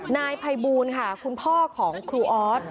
นายภัยบูลค่ะคุณพ่อของครูออส